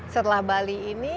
setelah bali ini